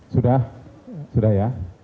sudah sudah ya